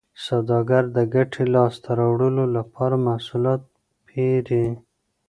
سوداګر د ګټې لاسته راوړلو لپاره محصولات پېري